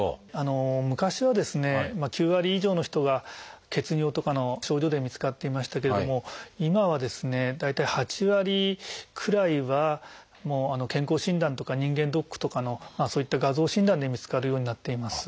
昔はですね９割以上の人が血尿とかの症状で見つかっていましたけれども今はですね大体８割くらいは健康診断とか人間ドックとかのそういった画像診断で見つかるようになっています。